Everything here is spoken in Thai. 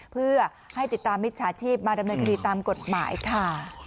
เพื่อให้ติดตามมิจฉาชีพมาดำเนินคดีตามกฎหมายค่ะ